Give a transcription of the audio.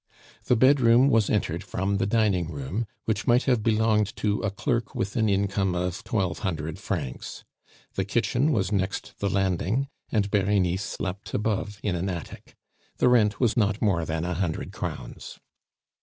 The bedroom was entered from the dining room, which might have belonged to a clerk with an income of twelve hundred francs. The kitchen was next the landing, and Berenice slept above in an attic. The rent was not more than a hundred crowns.